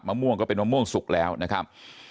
ม่วงก็เป็นมะม่วงสุกแล้วนะครับ